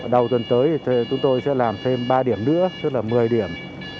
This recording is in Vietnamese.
đầu tuần tới thì chúng tôi sẽ làm thêm ba điểm nữa tức là một mươi điểm